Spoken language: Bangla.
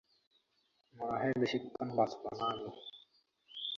মনেহয় বেশিক্ষন বাঁচবনা আমি!